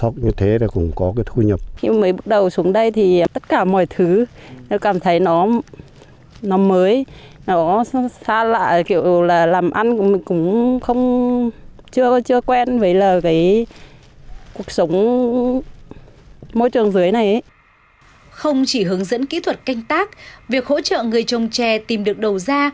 không chỉ hướng dẫn kỹ thuật canh tác việc hỗ trợ người trồng trè tìm được đầu ra